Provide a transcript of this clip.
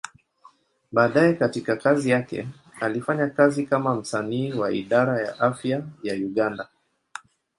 Baadaye katika kazi yake, alifanya kazi kama msanii wa Idara ya Afya ya Uganda.